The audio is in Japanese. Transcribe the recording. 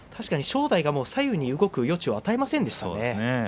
正代が左右に動く余地を与えませんでしたね。